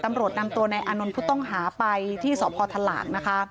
ตำรวจนำตัวนายอานนท์ผู้ต้องหาไปที่สพทหลากนะคะ